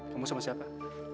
kamu mau sama siapa